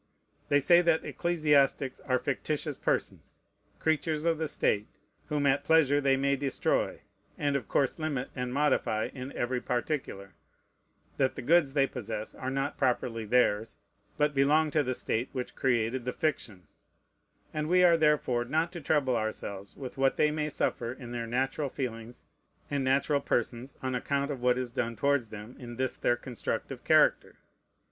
They say that ecclesiastics are fictitious persons, creatures of the state, whom at pleasure they may destroy, and of course limit and modify in every particular; that the goods they possess are not properly theirs, but belong to the state which created the fiction; and we are therefore not to trouble ourselves with what they may suffer in their natural feelings and natural persons on account of what is done towards them in this their constructive character.